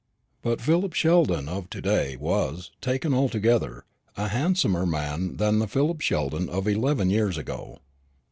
But the Philip Sheldon of to day was, taken altogether, a handsomer man than the Philip Sheldon of eleven years ago.